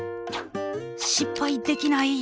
失敗できない。